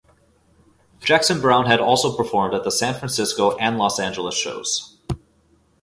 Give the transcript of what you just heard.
Jackson Browne had also performed at the San Francisco and Los Angeles shows.